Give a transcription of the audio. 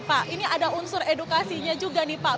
pak ini ada unsur edukasinya juga nih pak